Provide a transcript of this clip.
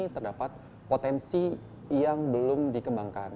terdapat potensi yang belum dikembangkan